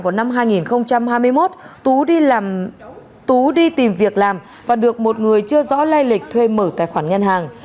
vào năm hai nghìn hai mươi một tú đi tìm việc làm và được một người chưa rõ lai lịch thuê mở tài khoản ngân hàng